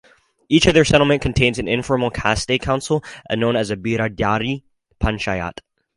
Each of their settlement contains an informal caste council, known as a biradari panchayat.